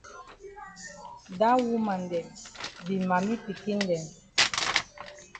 Dat woman dem be mami pikin dem.